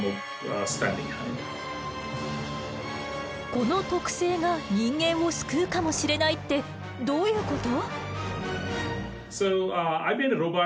この特性が人間を救うかもしれないってどういうこと？